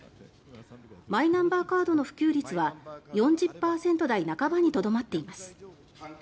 マイナンバーカードの普及率は４０％台半ばにとどまっています。